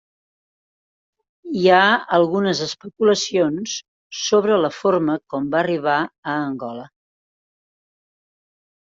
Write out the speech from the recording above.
Hi ha algunes especulacions sobre la forma com va arribar a Angola.